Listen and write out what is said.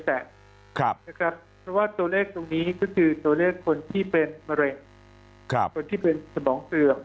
เพราะว่าตัวเลขตรงนี้ก็คือตัวเลขคนที่เป็นมะเร็งคนที่เป็นสมองเสื่อม